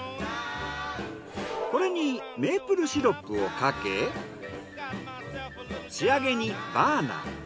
これにメープルシロップをかけ仕上げにバーナー。